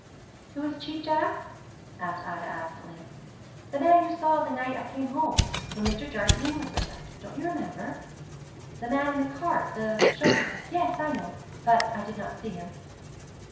'Who is Cheap Jack?' asked Ida absently. 'The man you saw the night I came home, when Mr. Jardine was with us. Don't you remember?' 'The man in the cart the showman? Yes, I know; but I did not see him.'